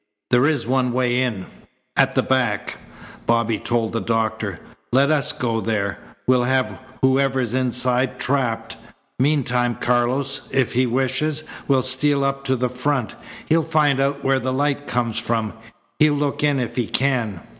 "There is one way in at the back," Bobby told the doctor. "Let us go there. We'll have whoever's inside trapped. Meantime, Carlos, if he wishes, will steal up to the front; he'll find out where the light comes from. He'll look in if he can."